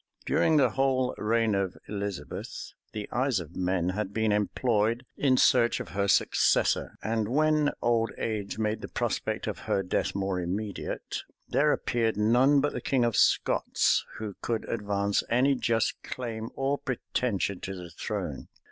During the whole reign of Elizabeth, the eyes of men had been employed in search of her successor; and when old age made the prospect of her death more immediate, there appeared none but the king of Scots who could advance any just claim or pretension to the throne.